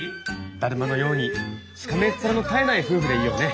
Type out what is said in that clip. だるまのようにしかめっ面の絶えない夫婦でいようね。